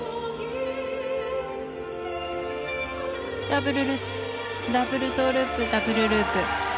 ダブルルッツダブルトウループダブルループ。